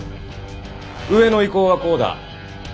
上の意向はこうだ。